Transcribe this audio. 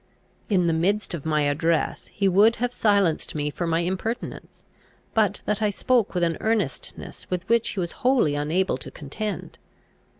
In the midst of my address he would have silenced me for my impertinence, but that I spoke with an earnestness with which he was wholly unable to contend.